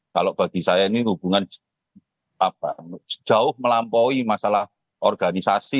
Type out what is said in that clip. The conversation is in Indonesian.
kalau bagi saya ini hubungan jauh melampaui masalah organisasi